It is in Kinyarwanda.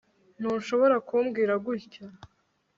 ntushobora kumbwira gutya